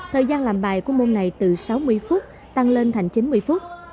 thời gian làm bài của môn này từ sáu mươi phút tăng lên thành chín mươi phút